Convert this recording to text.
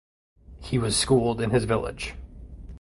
He was schooled in his village.